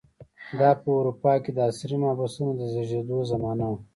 دا په اروپا کې د عصري محبسونو د زېږېدو زمانه وه.